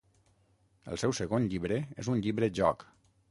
El seu segon llibre és un llibre-joc.